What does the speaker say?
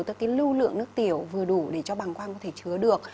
tức cái lưu lượng nước tiểu vừa đủ để cho bằng quang có thể chứa được